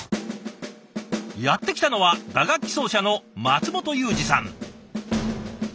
やって来たのは打楽器奏者の松本祐二さん。